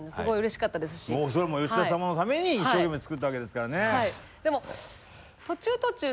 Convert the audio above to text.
もうそれも吉田様のために一生懸命作ったわけですからね。